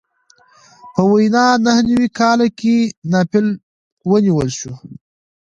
په ویا نهه نوي کال کې ناپل ونیول شو.